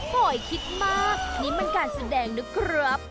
โหยคิดมากนี่มันการแสดงนะครับ